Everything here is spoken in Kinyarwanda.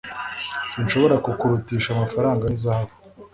Sinshobora kukurutisha amafaranga n’izahabu